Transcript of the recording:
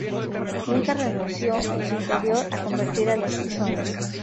Nunca renunció, en su interior, a convertir a los frisones.